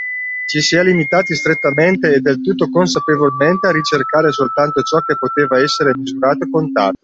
Ci si è limitati strettamente e del tutto consapevolmente a ricercare soltanto ciò che poteva essere misurato e contato.